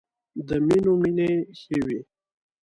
د مینو مینې ښې وې.